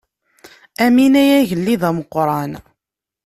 Amin ay agellid ameqqran.